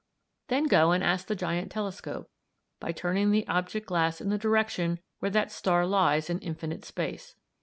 Then go and ask the giant telescope, by turning the object glass in the direction where that star lies in infinite space.